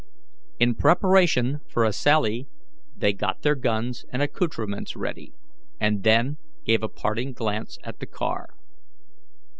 In preparation for a sally, they got their guns and accoutrements ready, and then gave a parting glance at the car.